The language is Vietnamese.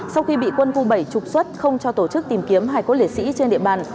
sau khi bị quân khu bảy trục xuất không cho tổ chức tìm kiếm hải cốt liệt sĩ trên địa bàn